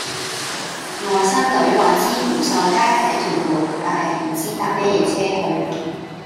外甥女話知湖秀街係喺屯門但係唔知搭咩野車去